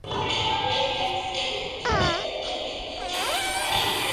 Esta se dio en una situación bastante irregular.